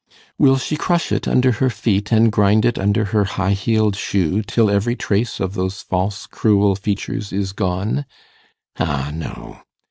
Will she crush it under her feet, and grind it under her high heeled shoe, till every trace of those false cruel features is gone? Ah, no!